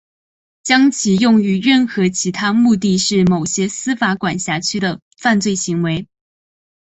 将其用于任何其他目的是某些司法管辖区的犯罪行为。